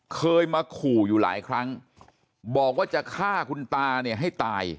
เคยมาขู่อยู่หลายครั้งบอกว่าจะฆ่าคุณตาเนี่ยให้ตาย